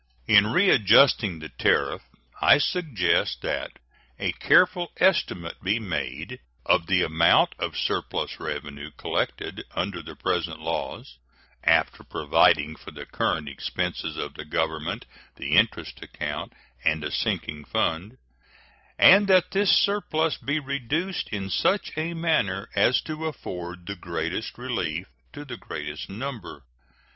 In readjusting the tariff I suggest that a careful estimate be made of the amount of surplus revenue collected under the present laws, after providing for the current expenses of the Government, the interest account, and a sinking fund, and that this surplus be reduced in such a manner as to afford the greatest relief to the greatest number.